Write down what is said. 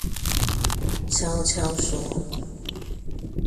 悄悄說